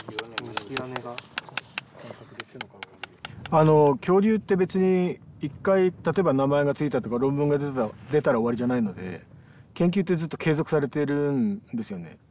あの恐竜って別に一回例えば名前が付いたとか論文が出たら終わりじゃないので研究ってずっと継続されてるんですよね。